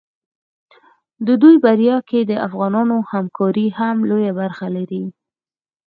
د دوی په بریا کې د افغانانو همکاري هم لویه برخه لري.